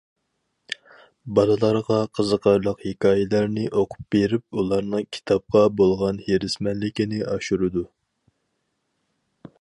بالىلارغا قىزىقارلىق ھېكايىلەرنى ئوقۇپ بېرىپ، ئۇلارنىڭ كىتابقا بولغان ھېرىسمەنلىكىنى ئاشۇرىدۇ.